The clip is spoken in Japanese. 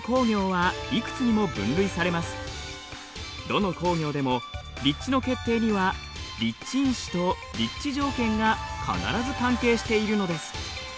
どの工業でも立地の決定には立地因子と立地条件が必ず関係しているのです。